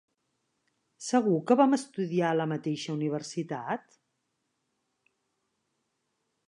Segur que vam estudiar a la mateixa universitat?